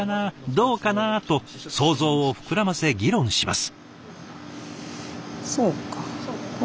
どうかな？と想像を膨らませ議論します。